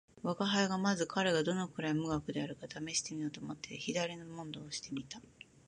吾輩はまず彼がどのくらい無学であるかを試してみようと思って左の問答をして見た